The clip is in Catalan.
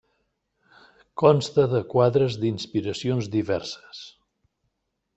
Consta de quadres d'inspiracions diverses.